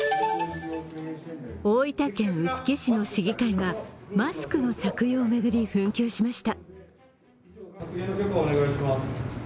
大分県臼杵市の市議会は、マスクの着用を巡り、紛糾しました。